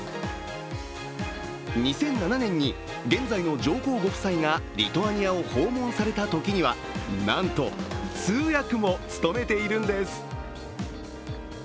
２００７年に現在の上皇ご夫妻がリトアニアを訪問されたときにはなんと通訳も務めているんです。